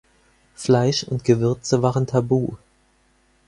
Fleisch und Gewürze waren tabu.